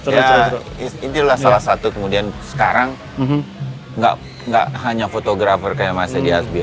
ya itulah salah satu kemudian sekarang gak hanya fotografer kayak mas edi asbiar